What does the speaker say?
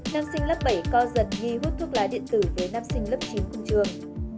nam sinh lớp bảy co giật nghi hút thuốc lá điện tử với nam sinh lớp chín công trường